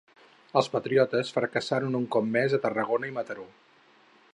Els patriotes fracassaren un cop més a Tarragona i Mataró.